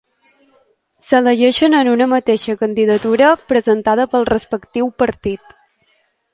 S'elegeixen en una mateixa candidatura presentada pel respectiu partit.